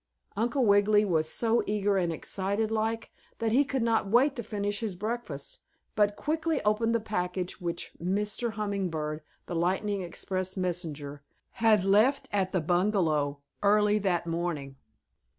'" Uncle Wiggily was so eager and excited like that he could not wait to finish his breakfast, but quickly opened the package which Mr. Hummingbird, the lightning express messenger, had left at the bungalow early that morning.